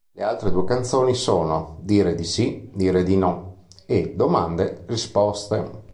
Le altre due canzoni sono "Dire di sì, dire di no" e "Domande, risposte".